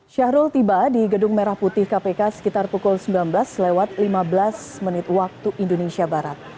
syahrul tiba di gedung merah putih kpk sekitar pukul sembilan belas lewat lima belas menit waktu indonesia barat